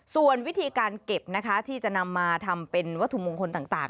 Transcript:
ส่วนวิธีการเก็บนะคะที่จะนำมาทำเป็นวัตถุมงคลต่าง